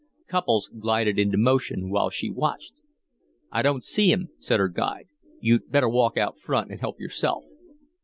Couples glided into motion while she watched. "I don't see him," said her guide. "You better walk out front and help yourself."